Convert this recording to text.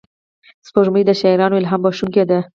سپوږمۍ د شاعرانو الهام بښونکې ده